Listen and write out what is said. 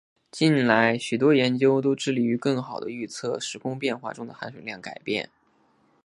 近来许多研究都致力于更好地预测时空变化中的含水量改变。